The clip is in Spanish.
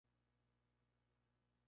El secretario general era Arnaldo Matos.